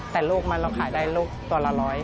แต่ลูกมันเราขายได้ลูกตัวละ๑๐๐